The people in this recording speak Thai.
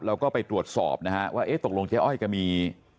เราก็ไปตรวจสอบนะฮะว่าเอ๊ะตกลงเจ๊อ้อยแกมี